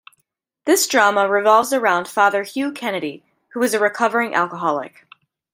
This drama revolves around Father Hugh Kennedy, who is a recovering alcoholic.